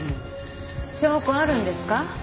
証拠あるんですか？